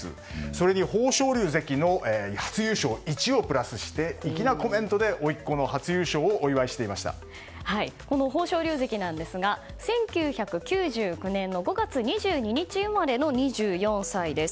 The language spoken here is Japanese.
それに豊昇龍関の初優勝１をプラスして粋なコメントでおいっ子の初優勝をこの豊昇龍関ですが１９９９年の５月２２日生まれの２４歳です。